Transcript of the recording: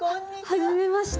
はじめまして。